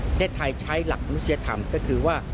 ประเทศไทยใช้หลักมนุษยธรรมก็คือว่า